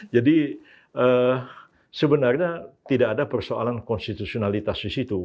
jadi sebenarnya tidak ada persoalan konstitusionalitas di situ